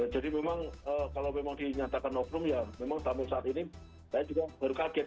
jadi memang kalau memang dinyatakan oknum ya memang sampai saat ini saya juga berkaget